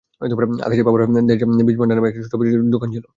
আকাশের বাবার দেশ বীজ ভান্ডার নামে ছোট একটি বীজ বিক্রির দোকান ছিল।